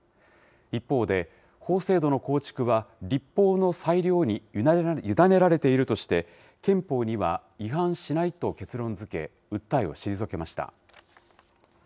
一方で、法制度の構築は、立法の裁量に委ねられているとして、憲法には違反しないと結論づけ、訴えを退けました。